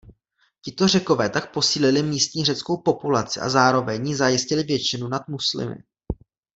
Tito Řekové tak posílili místní řeckou populaci a zároveň jí zajistili většinu nad muslimy.